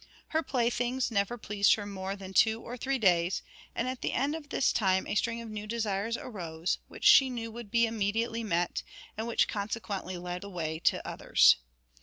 Her playthings never pleased her more than two or three days, and at the end of this time a string of new desires arose, which she knew would be immediately met, and which consequently led the way to others.